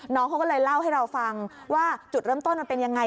น้องเขาก็เลยเล่าให้เราฟังว่าจุดเริ่มต้นมันเป็นยังไง